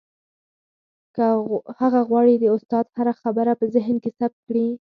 هغه غواړي د استاد هره خبره په ذهن کې ثبت کړي.